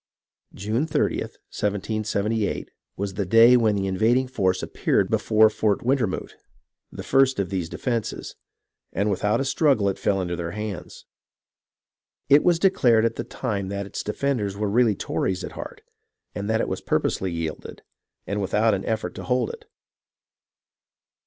2 52 HISTORY OF THE AMERICAN REVOLUTION June 30th, 1778, was the clay when the invading force ap peared before Fort Wintermoot, the first of these defences ; and without a struggle it fell into their hands. It was declared at the time that its defenders were really Tories at heart, and that it was purposely yielded, and without an effort to hold it.